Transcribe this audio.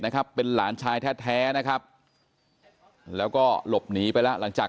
นะครับเป็นหลานชายแท้นะครับแล้วก็หลบหนีไปแล้วหลังจาก